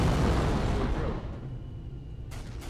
Who drew it?